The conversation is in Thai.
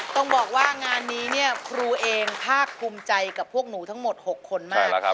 ต้องบอกว่างานนี้เนี่ยครูเองภาคภูมิใจกับพวกหนูทั้งหมด๖คนมาก